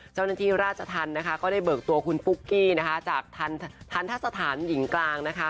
เจ้าหน้าที่ราชทันก็ได้เบิกตัวคุณปุ๊กกี้จากทันทรสถานหญิงกลาง